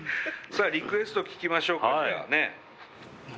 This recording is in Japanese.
さあリクエスト聞きましょうかじゃあね。